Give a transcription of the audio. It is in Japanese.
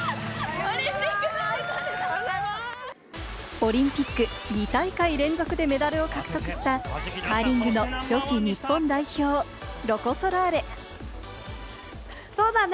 オリンピック２大会連続でメダルを獲得したカーリングの女子日本代表・ロコ・ソラーレ。